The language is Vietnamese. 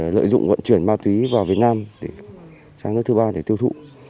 lợi dụng vận chuyển ma túy vào việt nam để sang nước thứ ba để tiêu thụ